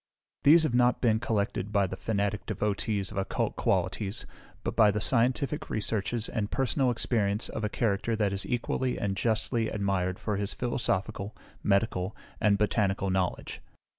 These have not been collected by the fanatic devotees of occult qualities, but by the scientific researches and personal experience of a character that is equally and justly admired for his philosophical, medical, and botanical knowledge.